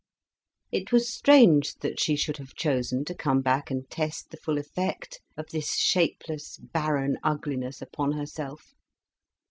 It was strange that she should have chosen to come back and test the full effect of this shapeless, barren ugliness upon herself.